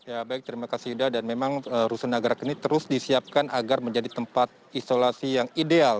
ya baik terima kasih sudah dan memang rusun nagrak ini terus disiapkan agar menjadi tempat isolasi yang ideal